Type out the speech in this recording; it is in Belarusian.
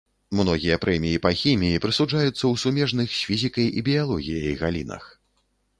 Многія прэміі па хіміі прысуджаюцца ў сумежных з фізікай і біялогіяй галінах.